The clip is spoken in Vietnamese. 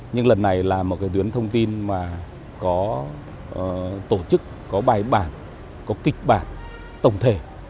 nhưng lần này là một cái tuyến thông tin mà có tổ chức có bài bản có kịch bản tổng thể